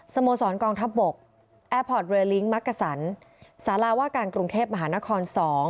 โมสรกองทัพบกแอร์พอร์ตเรลิ้งมักกะสันสาราว่าการกรุงเทพมหานคร๒